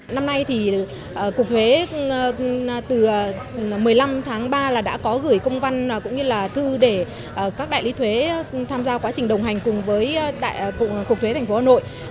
năm nay thì cục thuế từ một mươi năm tháng ba là đã có gửi công văn cũng như là thư để các đại lý thuế tham gia quá trình đồng hành cùng với cục thuế thành phố hà nội